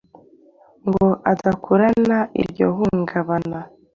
ngo adakurana iryo hungabana.